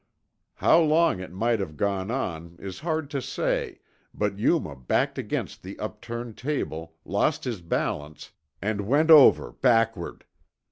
How long it might have gone on is hard to say, but Yuma backed against the upturned table, lost his balance, and went over backward.